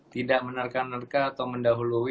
tidak menerka nerka atau mendahului